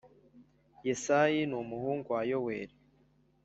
Yesayi numuhungu wa yoweli